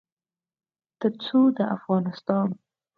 تر څو د افغانستان